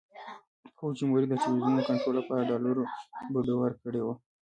فوجیموري د ټلویزیونونو کنټرول لپاره ډالرو بډو ورکړي وو.